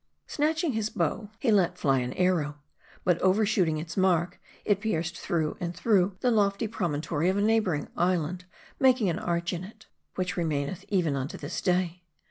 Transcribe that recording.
Snatching his bow, he let fly an arrow. But overshooting its mark, it pierced through and through, the lofty promontory of a neighboring island ; making an arch in it, which remaineth even unto this day.